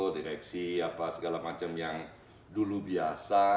direksi apa segala macam yang dulu biasa